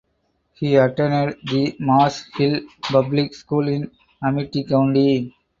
He attended the Mars Hill Public School in Amite County.